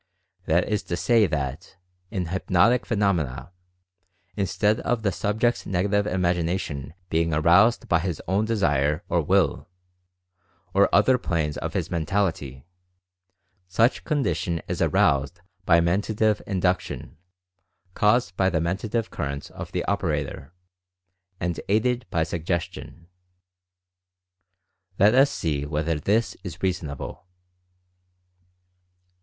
That is to say that, in hypnotic phenomena, instead of the subject's Nega tive Imagination being aroused by his own Desire or Will, or other planes of his Mentality, such condition is aroused by Mentative Induction, caused by the Men Phenomena of Induced Imagination 129 tative Currents of the operator, and aided by Sugges tion. Let us see whether this is reasonable.